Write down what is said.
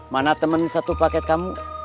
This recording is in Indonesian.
mana teman satu paket kamu